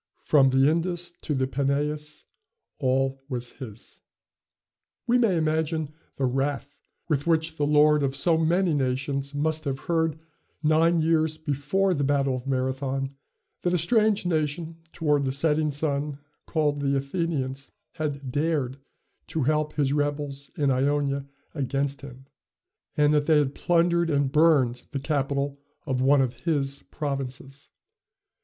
From the Indus to the Peneus, all was his. We may imagine the wrath with which the lord of so many nations must have heard, nine years before the battle of Marathon, that a strange nation toward the setting sun, called the Athenians, had dared to help his rebels in Ionia against him, and that they had plundered and burned the capital of one of his provinces.